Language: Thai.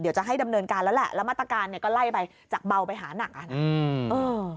เดี๋ยวจะให้ดำเนินการแล้วแหละแล้วมาตรการเนี่ยก็ไล่ไปจากเบาไปหานักอ่ะนะอืมเออ